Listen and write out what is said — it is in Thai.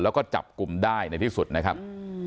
แล้วก็จับกลุ่มได้ในที่สุดนะครับ